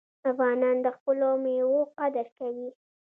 افغانان د خپلو میوو قدر کوي.